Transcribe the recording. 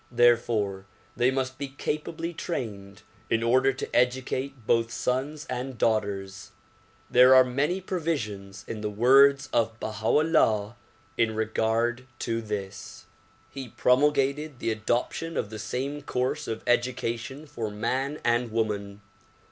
Therefore they must be capably trained in order to educate both sons and daughters. There are many provisions in the words of Baha 'Ullah in regard to this. He promulgated the adoption of the same course of education for man and woman.